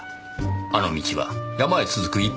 あの道は山へ続く一本道です。